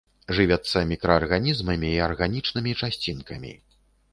Жывяцца мікраарганізмамі і арганічнымі часцінкамі.